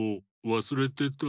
わすれてた。